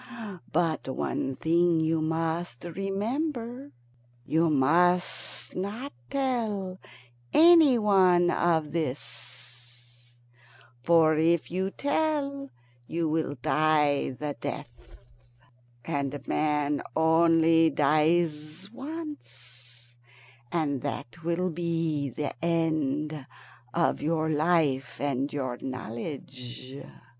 But one thing you must remember. You must not tell any one of this, for if you tell you will die the death; and man only dies once, and that will be an end of your life and your knowledge."